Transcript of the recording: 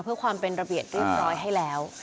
เพื่อความเป็นระเบียบเรียบร้อยให้แล้ว